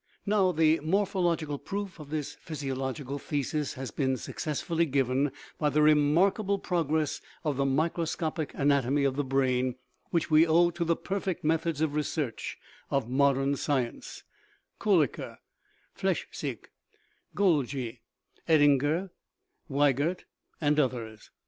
Now, the morpho logical proof of this physiological thesis has been suc cessfully given by the remarkable progress of the mi croscopic anatomy of the brain, which we owe to the perfect methods of research of modern science (Kolliker, Flechsig, Golgi, Edinger, Weigert, and others).